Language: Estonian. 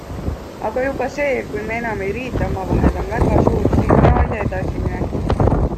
Aga juba see, kui me enam ei riidle omavahel, on väga suur signaal ja edasiminek.